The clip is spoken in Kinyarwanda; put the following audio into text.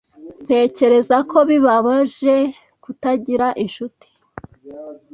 Ntekereza ko bibabaje kutagira inshuti.